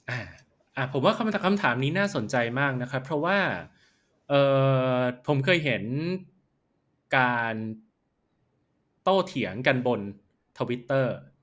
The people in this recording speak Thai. อ่าผมว่าคำถามนี้น่าสนใจมากนะครับเพราะว่าเอ่อผมเคยเห็นการโตเถียงกันบนทวิตเตอร์